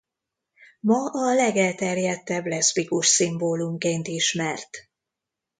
Ma a legelterjedtebb leszbikus szimbólumként ismert.